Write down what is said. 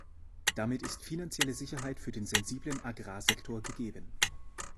Damit ist finanzielle Sicherheit für den sensiblen Agrarsektor gegeben.